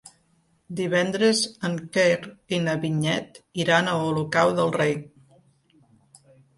Divendres en Quer i na Vinyet iran a Olocau del Rei.